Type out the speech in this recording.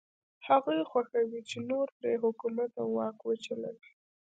هغوی خوښوي چې نور پرې حکومت او واک وچلوي.